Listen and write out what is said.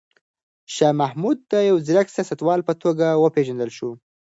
شاه محمود هوتک د يو ځيرک سياستوال په توګه وپېژندل شو.